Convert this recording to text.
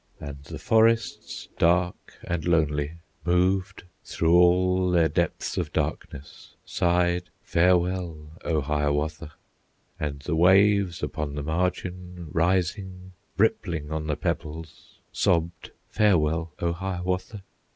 And the forests, dark and lonely, Moved through all their depths of darkness, Sighed, "Farewell, O Hiawatha!" And the waves upon the margin Rising, rippling on the pebbles, Sobbed, "Farewell, O Hiawatha!"